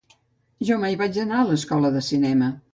Jo mai vaig anar a l'escola de cinema.